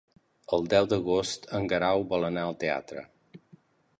El deu d'agost en Guerau vol anar al teatre.